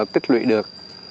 tích lụy được